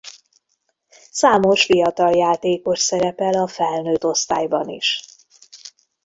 Számos fiatal játékos szerepel a felnőtt osztályban is.